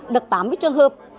đợt tám với trường hợp